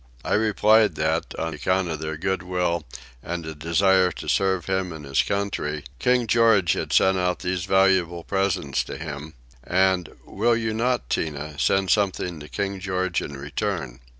I replied that, on account of their goodwill and from a desire to serve him and his country, King George had sent out those valuable presents to him; "and will not you, Tinah, send something to King George in return?"